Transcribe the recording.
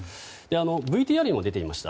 ＶＴＲにも出ていました